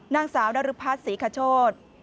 นางสาวนรภัทรศรีขโชธ